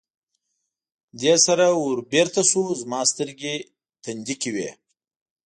دې سره ور بېرته شو، زما سترګې تندې کې وې.